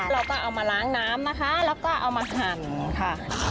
เราก็เอามาล้างน้ำนะคะแล้วก็เอามาหั่นค่ะ